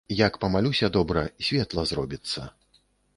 Як памалюся добра, светла зробіцца.